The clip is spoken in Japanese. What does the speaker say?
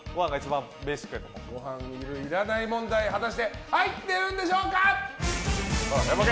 ごはんいる、いらない問題果たして入ってるんでしょうか。